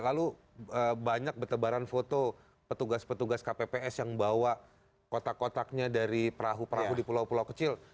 lalu banyak bertebaran foto petugas petugas kpps yang bawa kotak kotaknya dari perahu perahu di pulau pulau kecil